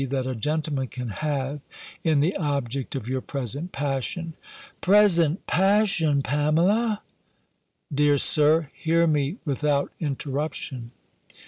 that a gentleman can have in the object of your present passion." "Present passion, Pamela!" "Dear Sir, hear me without interruption.